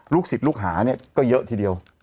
ศิษย์ลูกหาเนี่ยก็เยอะทีเดียว